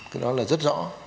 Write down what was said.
cái đó là rất rõ